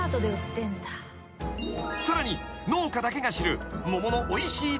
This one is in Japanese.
［さらに農家だけが知る］